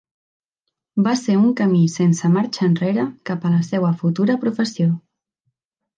Va ser un camí sense marxa enrere cap a la seua futura professió.